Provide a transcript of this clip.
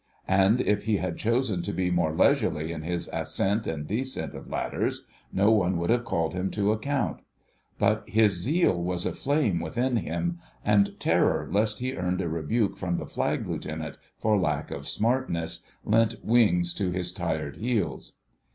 And if he had chosen to be more leisurely in his ascent and descent of ladders, no one would have called him to account. But his zeal was a flame within him, and terror lest he earned a rebuke from the Flag Lieutenant for lack of smartness, lent wings to his tired heels.